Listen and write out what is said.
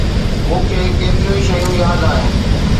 مون کي ڪيتريون ئي شيون ياد آهن.